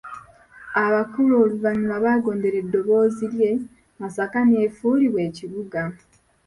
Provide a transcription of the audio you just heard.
Abakulu oluvannyuma baagondera eddoboozi lye, Masaka n'efuulibwa ekibuga.